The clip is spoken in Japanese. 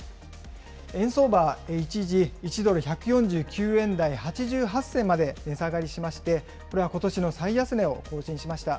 円相場は一時、１ドル１４９円台８８銭まで値下がりしまして、これはことしの最安値を更新しました。